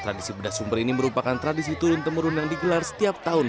tradisi bedah sumber ini merupakan tradisi turun temurun yang digelar setiap tahun